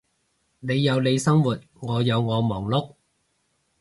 你有你生活，我有我忙碌